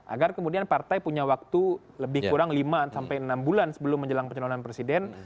agar kemudian partai punya waktu lebih kurang lima sampai enam bulan sebelum menjelang pencalonan presiden